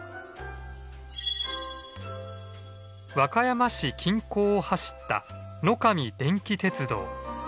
和歌山市近郊を走った野上電気鉄道。